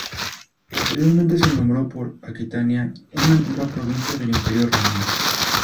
Posteriormente se nombró por Aquitania, una antigua provincia del Imperio romano.